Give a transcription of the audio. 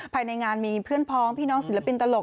ภายในงานมีเพื่อนพ้องพี่น้องศิลปินตลก